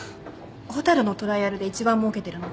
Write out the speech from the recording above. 蛍のトライアルで一番もうけてるのって？